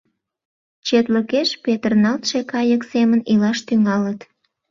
Четлыкеш петырналтше кайык семын илаш тӱҥалыт.